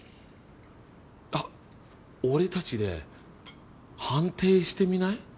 あっ俺たちで判定してみない？